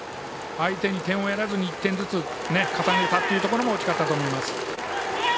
相手に点をやらずに１点ずつ重ねたというところも大きかったと思います。